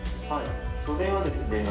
はいそれはですね